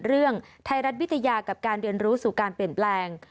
ไทยรัฐวิทยากับการเรียนรู้สู่การเปลี่ยนแปลง